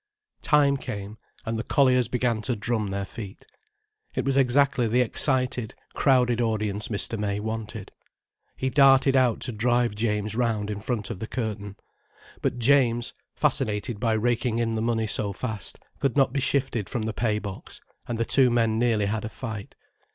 Time came, and the colliers began to drum their feet. It was exactly the excited, crowded audience Mr. May wanted. He darted out to drive James round in front of the curtain. But James, fascinated by raking in the money so fast, could not be shifted from the pay box, and the two men nearly had a fight.